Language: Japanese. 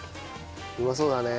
うまそうだね。